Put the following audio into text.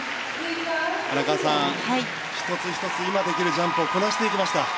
荒川さん、１つ１つ今できるジャンプをこなしていきました。